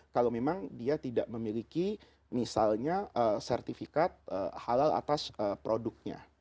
kalau memang dia tidak memiliki misalnya sertifikat halal atas produknya